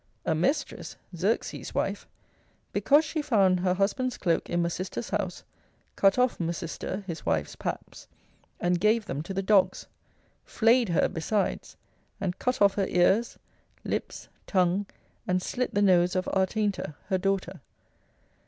Amestris, Xerxes' wife, because she found her husband's cloak in Masista's house, cut off Masista, his wife's paps, and gave them to the dogs, flayed her besides, and cut off her ears, lips, tongue, and slit the nose of Artaynta her daughter.